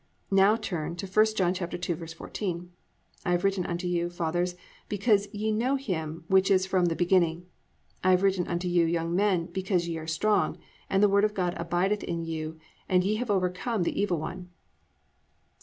2. Now turn to I John 2:14: +"I have written unto you, fathers, because ye know him which is from the beginning. I have written unto you young men, because ye are strong, and the word of God abideth in you, and ye have overcome the evil one."